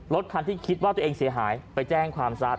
รถคันที่คิดว่าตัวเองเสียหายไปแจ้งความซะ